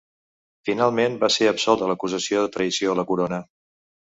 Finalment, va ser absolt de l'acusació de traïció a la corona.